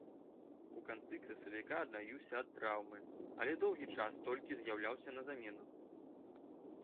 У канцы красавіка аднавіўся ад траўмы, але доўгі час толькі з'яўляўся на замену.